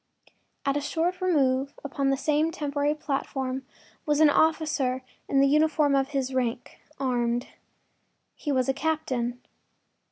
At a short remove upon the same temporary platform was an officer in the uniform of his rank, armed. He was a captain.